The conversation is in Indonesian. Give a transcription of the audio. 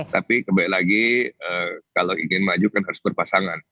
tapi kembali lagi kalau ingin maju kan harus berpasangan